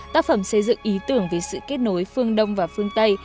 tác phẩm xây dựng ý tưởng về sự kết nối phương đông và phương tây